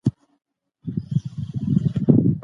اسراف دولت د تباهۍ لور ته بیايي.